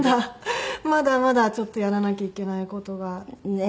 まだまだちょっとやらなきゃいけない事が。ねえ。